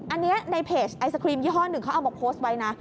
อันนี้ในเพจไอศครีมยี่ห้อหนึ่งเขาเอามาโพสต์ไว้นะ